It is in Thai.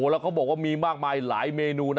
แล้วเขาบอกว่ามีมากมายหลายเมนูนะ